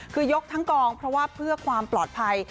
คือยกทั้งกองเพราะว่าเพื่อความปลอดภัย